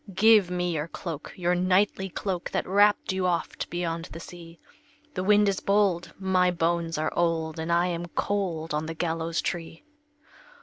"Give me your cloak, your knightly cloak, That wrapped you oft beyond the sea; The wind is bold, my bones are old, And I am cold on the gallows tree."